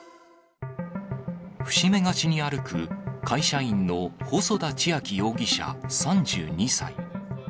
伏し目がちに歩く会社員の細田千暁容疑者３２歳。